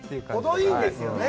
ほどいいんですよね。